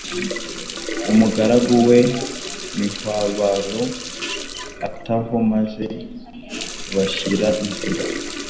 Umugaragu we Mihwabaro ataho maze bashyira nzira.